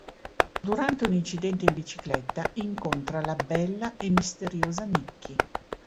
Durante un incidente in bicicletta, incontra la bella e misteriosa Nikki.